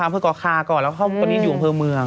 เผอคอคาก่อนแล้วเข้าตอนนี้อยู่องค์เพอเมือง